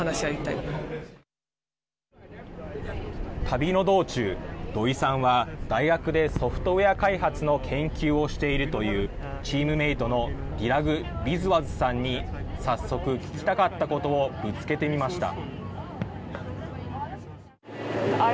旅の道中、土居さんは大学でソフトウエア開発の研究をしているというチームメートのディラグ・ビスワズさんに早速、聞きたかったことをぶつけてみました。